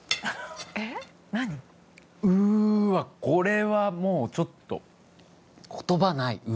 これはもうちょっと言葉ない。